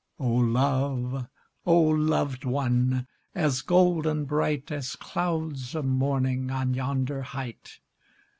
Oh love! oh loved one! As golden bright, As clouds of morning On yonder height!